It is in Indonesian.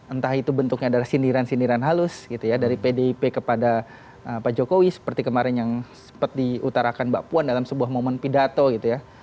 entah itu bentuknya adalah sindiran sindiran halus gitu ya dari pdip kepada pak jokowi seperti kemarin yang sempat diutarakan mbak puan dalam sebuah momen pidato gitu ya